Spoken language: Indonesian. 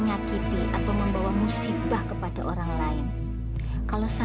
iya ini memang pendadak